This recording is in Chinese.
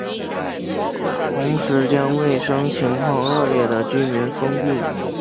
同时将卫生情况恶劣的民居封闭。